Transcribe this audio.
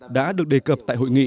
đã được đề cập